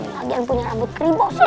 lagi yang punya rambut krim bokso